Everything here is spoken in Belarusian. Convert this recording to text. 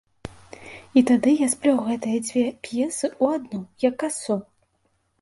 І тады я сплёў гэтыя дзве п'есы ў адну, як касу.